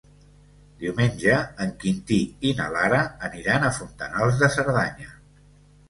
Diumenge en Quintí i na Lara aniran a Fontanals de Cerdanya.